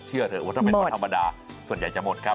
เชื่อเถอะว่าถ้าเป็นวันธรรมดาส่วนใหญ่จะหมดครับ